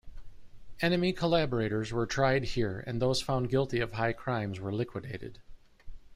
Enemy collaborators were tried here and those found guilty of high crimes were liquidated.